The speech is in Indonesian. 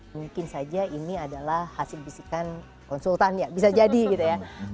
mungkin saja ini adalah hasil bisikan konsultan ya bisa jadi gitu ya